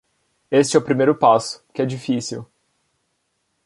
Este é o primeiro passo, que é difícil.